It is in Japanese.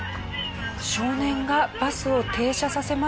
少年がバスを停車させます。